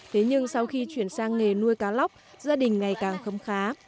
thế nhưng sau khi chuyển sang nghề nuôi cá lóc gia đình ngày càng khấm khá